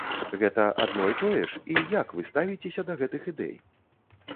Гэта адно і тое ж і як вы ставіцеся да гэтых ідэй?